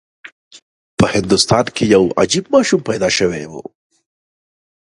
په هندوستان کې یو عجیب ماشوم پیدا شوی و.